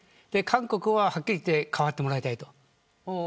韓国は、はっきり言って変わってもらいたい。